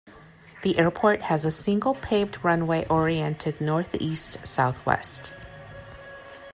The airport has a single, paved runway oriented northeast-southwest.